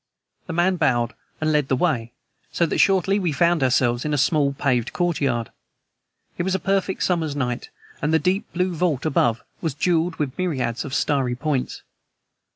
The man bowed and led the way, so that shortly we found ourselves in a small, paved courtyard. It was a perfect summer's night, and the deep blue vault above was jeweled with myriads of starry points.